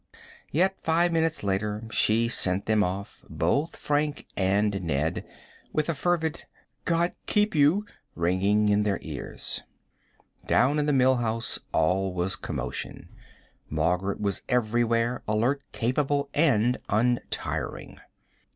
Yet five minutes later she sent them off, both Frank and Ned, with a fervid "God keep you" ringing in their ears. Down in the Mill House all was commotion. Margaret was everywhere, alert, capable, and untiring.